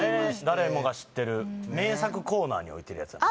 誰もが知ってる名作コーナーに置いてるやつやそうです